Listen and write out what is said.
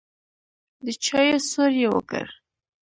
د چايو سور يې وکړ.